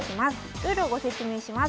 ルールをご説明します。